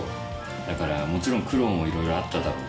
だからもちろん苦労もいろいろあっただろう